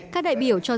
các đại biểu cho biết